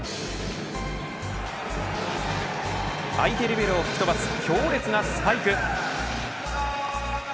相手リベロを吹き飛ばす強烈なスパイク。